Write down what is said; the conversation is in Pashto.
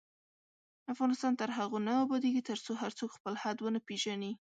افغانستان تر هغو نه ابادیږي، ترڅو هر څوک خپل حد ونه پیژني.